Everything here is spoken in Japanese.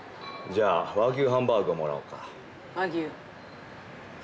じゃあ和牛ハンバーグをもらおうか。